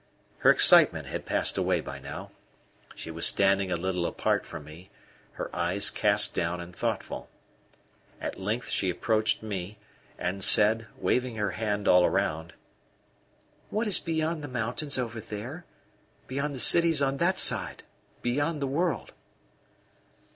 Her excitement had passed away by now. She was standing a little apart from me, her eyes cast down and thoughtful. At length she approached me and said, waving her hand all round: "What is beyond the mountains over there, beyond the cities on that side beyond the world?"